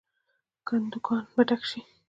کندوګان به ډک شي.